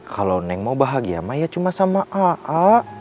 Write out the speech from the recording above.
kalau neng mau bahagia maya cuma sama aa